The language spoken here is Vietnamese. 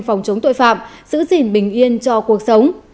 phòng chống tội phạm giữ gìn bình yên cho cuộc sống